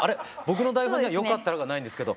僕の台本には「よかったら」がないんですけど。